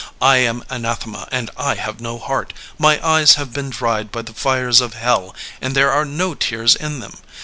I am Anathema and I have no heart. My eyes have been dried by the fires of hell and there are no tears in them.